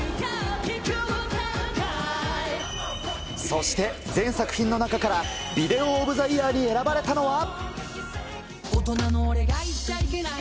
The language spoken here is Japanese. そして、全作品の中からビデオ・オブ・ザ・イヤーに選ばれたのは。